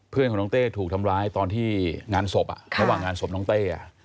เพื่อนของน้องเต้ถูกทำร้ายตอนที่งานศพระหว่างงานศพน้องเต้